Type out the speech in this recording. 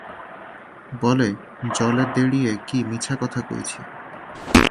বলে, জলে দেড়িয়ে কি মিছা কথা কইছি।